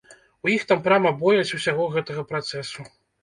У іх там прама боязь усяго гэтага працэсу.